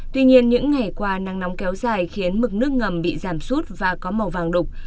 tuy nhiên những ngày qua nắng nóng kéo dài khiến mực nước ngầm bị giảm sút và có màu vàng đục